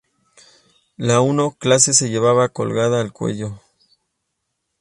La I clase se llevaba colgada al cuello.